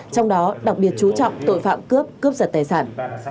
trong đó đặc biệt chú trọng tội phạm cướp cướp giật tài sản